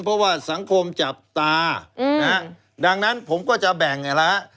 เพราะว่าสังคมจับตานะฮะดังนั้นผมก็จะแบ่งไงนะฮะ